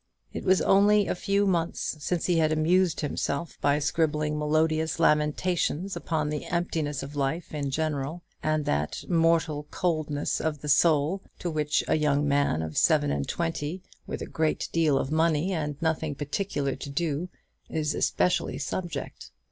It was only a few months since he had amused himself by scribbling melodious lamentations upon the emptiness of life in general, and that "mortal coldness of the soul" to which a young man of seven and twenty, with a great deal of money, and nothing particular to do, is especially subject.